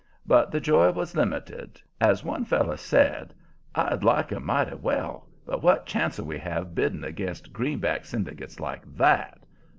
But the joy was limited. As one feller said, "I'd like 'em mighty well, but what chance'll we have bidding against green back syndicates like that?"